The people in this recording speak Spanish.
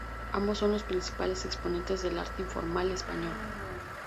Ambos son los principales exponentes del arte informal español.